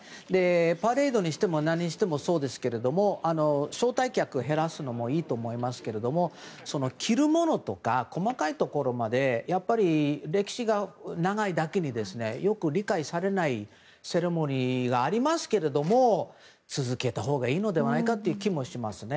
パレードにしても何にしてもそうですが招待客を減らすのもいいと思いますが着るものとか細かいものまでやっぱり、歴史が長いだけによく理解されないセレモニーがありますけど続けたほうがいいのではないかという気もしますね。